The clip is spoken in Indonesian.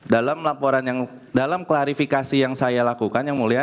dalam laporan yang dalam klarifikasi yang saya lakukan yang mulia